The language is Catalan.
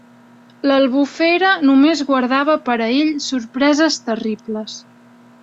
L'Albufera només guardava per a ell sorpreses terribles.